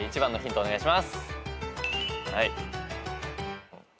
お願いします。